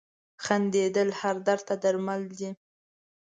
• خندېدل هر درد ته درمل دي.